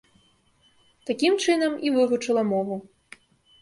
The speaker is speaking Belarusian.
Такім чынам і вывучыла мову.